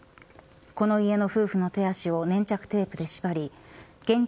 この家の夫婦の手足を粘着テープで縛り現金